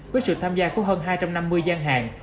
với sự tham gia của hơn hai trăm năm mươi gian hàng